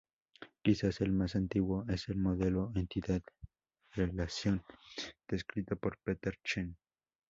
Quizás el más antiguo es el modelo entidad relación descrito por Peter Chen.